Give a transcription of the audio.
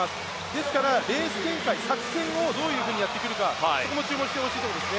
ですからレース展開、作戦をどういうふうにやってくるかも注目してほしいところです。